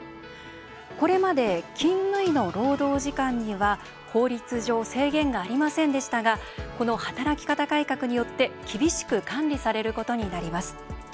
これまで、勤務医の労働時間には法律上制限がありませんでしたがこの働き方改革によって厳しく管理されることになります。